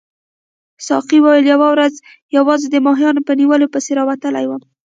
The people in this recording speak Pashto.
ساقي وویل یوه ورځ یوازې د ماهیانو په نیولو پسې راوتلی وم.